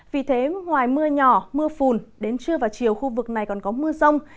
vì thế ngoài mưa nhỏ mưa phùn đến trưa và chiều khu vực này còn có mưa rông